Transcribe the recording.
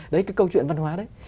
đấy cái câu chuyện văn hóa đấy